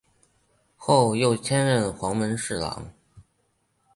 后又迁任黄门侍郎。